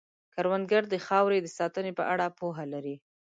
کروندګر د خاورې د ساتنې په اړه پوهه لري